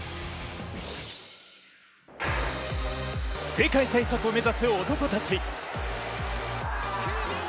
世界最速を目指す男たち。